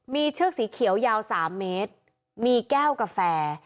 มีเชือกสีเขียวยาว๓เมตรมีแก้วกาแฟ